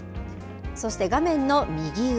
そして画面の右上。